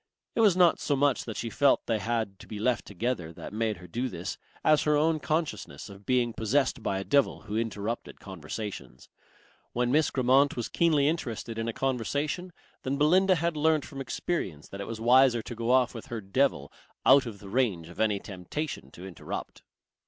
It was not so much that she felt they had to be left together that made her do this as her own consciousness of being possessed by a devil who interrupted conversations. When Miss Grammont was keenly interested in a conversation, then Belinda had learnt from experience that it was wiser to go off with her devil out of the range of any temptation to interrupt.